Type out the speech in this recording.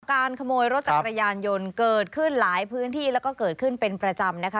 การขโมยรถจักรยานยนต์เกิดขึ้นหลายพื้นที่แล้วก็เกิดขึ้นเป็นประจำนะคะ